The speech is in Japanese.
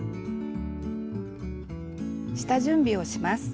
下準備をします。